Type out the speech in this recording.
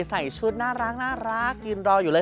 ใส่ชุดน่ารักยืนรออยู่เลย